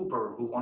benar atau tidak